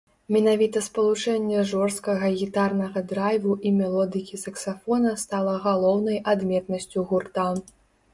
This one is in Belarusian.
Менавіта спалучэнне жорсткага гітарнага драйву і мелодыкі саксафона стала галоўнай адметнасцю гурта.